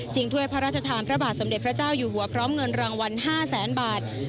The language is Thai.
ถ้วยพระราชทานพระบาทสมเด็จพระเจ้าอยู่หัวพร้อมเงินรางวัล๕แสนบาท